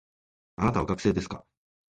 あなたは学生ですか